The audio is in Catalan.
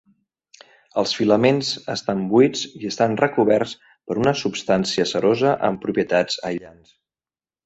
Els filaments estan buits i estan recoberts per una substància cerosa amb propietats aïllants.